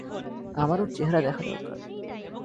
আমার ওর চেহারা দেখা দরকার।